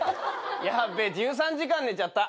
ヤッベ１３時間寝ちゃった。